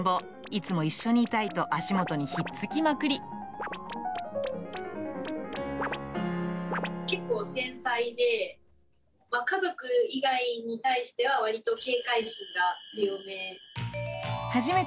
いつも一緒にいたいと、足元にひ結構繊細で、家族以外に対しては、わりと警戒心が強め。